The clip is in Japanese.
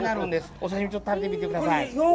お刺身、食べてみてください。